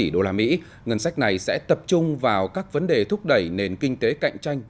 đô la mỹ ngân sách này sẽ tập trung vào các vấn đề thúc đẩy nền kinh tế cạnh tranh